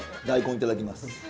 大根いただきます。